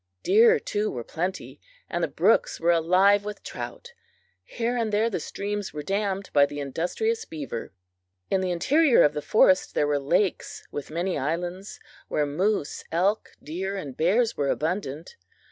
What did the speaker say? Deer, too, were plenty, and the brooks were alive with trout. Here and there the streams were dammed by the industrious beaver. In the interior of the forest there were lakes with many islands, where moose, elk, deer and bears were abundant.